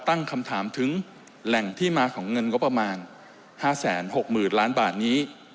ตั้งคำถามถึงแหล่งที่มาของเงินงบประมาณ๕๖๐๐๐ล้านบาทนี้